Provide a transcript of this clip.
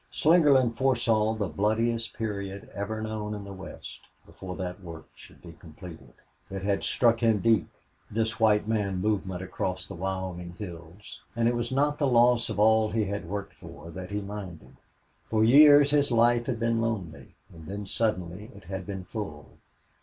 Slingerland foresaw the bloodiest period ever known in the West, before that work should be completed. It had struck him deep this white man movement across the Wyoming hills, and it was not the loss of all he had worked for that he minded. For years his life had been lonely, and then suddenly it had been full.